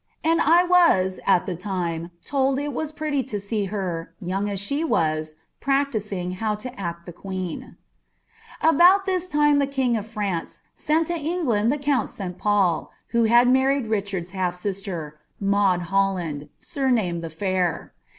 And I was at the lime told it was preity to see her, young as she wk, practising how to act the queen." About this time the king of France sent to England thtr roiini .<^i !''>i, rho liad married Biehard's half sister, Maud Holland, >> Fair.